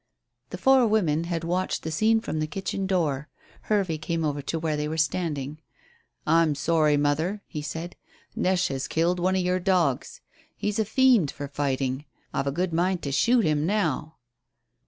The four women had watched the scene from the kitchen door. Hervey came over to where they were standing. "I'm sorry, mother," he said. "Neche has killed one of your dogs. He's a fiend for fighting. I've a good mind to shoot him now."